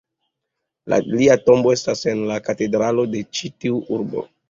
Lia tombo estas en la katedralo de ĉi tiu urbo.